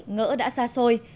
ngỡ đã xa xôi